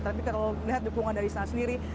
tapi kalau melihat dukungan dari istana sendiri